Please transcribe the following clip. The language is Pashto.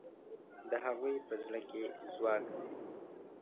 د هغوی په زړه کې ځواک دی.